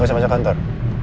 gak usah masuk kantor